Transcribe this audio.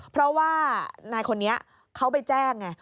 เพราะว่านายคนนี้เขาไปแจ้งไง